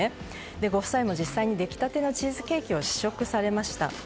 ご夫妻も実際に、出来たてのチーズケーキを試食されました。